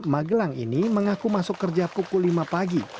magelang ini mengaku masuk kerja pukul lima pagi